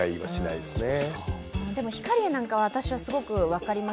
でも、ヒカリエなんかは私はすごい分かります。